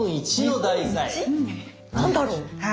何だろう？